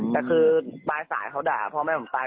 แต่คือปลายสายเขาด่าพ่อแม่ผมตาย